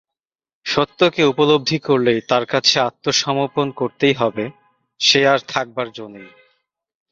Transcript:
সত্যকে উপলব্ধি করলেই তার কাছে আত্মসমর্পণ করতেই হবে– সে আর থাকবার জো নেই।